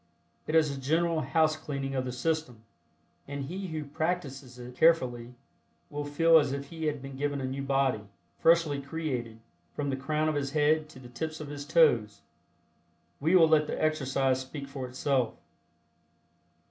It is a general housecleaning of the system, and he who practices it carefully will feel as if he had been given a new body, freshly created, from the crown of his head to the tips of his toes. We will let the exercise speak for itself.